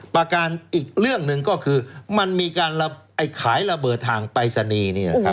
ประการอีกเรื่องหนึ่งก็คือมันมีการขายระเบิดทางปรายศนีย์